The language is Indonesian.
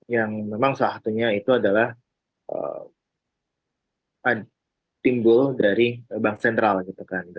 yang memang salah satunya itu adalah timbul dari bank sentral gitu kan